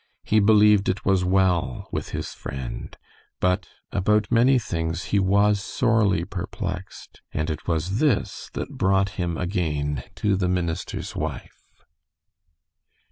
He believed it was well with his friend, but about many things he was sorely perplexed, and it was this that brought him again to the minister's wife.